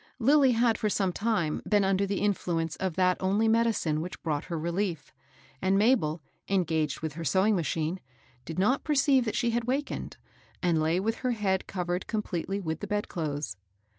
Lilly had for some time been under the influence of that only medicine which brought her reUef, and Mabel, engaged with Jaer sewing machine, did not perceive that she had wakened, and lay with her head covered completely with the bed clothes.